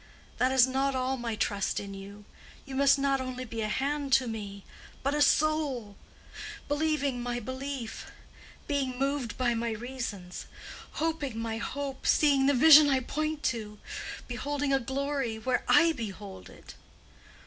"That is not all my trust in you. You must be not only a hand to me, but a soul—believing my belief—being moved by my reasons—hoping my hope—seeing the vision I point to—beholding a glory where I behold it!"